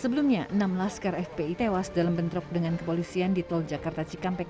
sebelumnya enam laskar fpi tewas dalam bentrok dengan kepolisian di tol jakarta cikampek